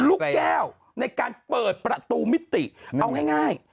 ลูกแก้วในการเปิดประตูมิติเอาง่าย